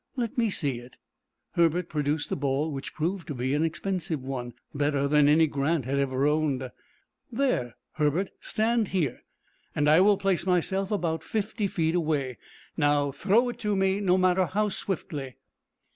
"Let me see it." Herbert produced the ball, which proved to be an expensive one, better than any Grant had ever owned. "There, Herbert, stand here, and I will place myself about fifty feet away. Now, throw it to me, no matter how swiftly."